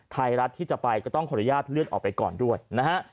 ไทยรัฐที่จะไปก็ต้องขออนุญาตเลื่อนออกไปก่อนด้วยนะฮะ